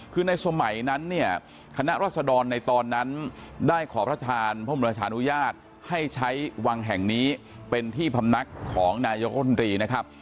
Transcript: คือในสมัยนั้นเนี่ยคณะรัศดรในตอนนั้นได้ขอพระทานพระบรมราชานุญาตให้ใช้วังแห่งนี้เป็นที่พำนักของนายกรรมตรีนะครับ